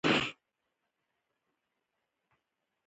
په تقدس او سپېڅلتوب په جامه کې نغښتی دی.